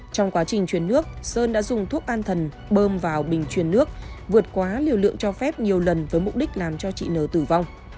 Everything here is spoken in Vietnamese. trong quá trình chuyển nước sơn đã dùng thuốc an thần bơm vào bình chuyển nước vượt quá liều lượng cho phép nhiều lần với mục đích làm cho chị n tử vong